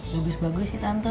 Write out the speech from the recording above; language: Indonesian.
bagus bagus sih tante